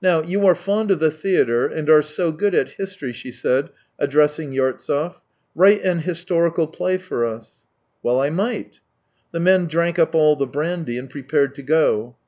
Now, you are fond of the theatre, and are so good at history," she said, addressing Yartsev. " Write an historical play for us." " Well, I might." The men drank up all the brandy, and prepared to go.